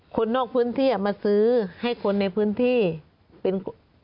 คนนอกพื้นที่มาซื้อให้คนในพื้นที่เป็น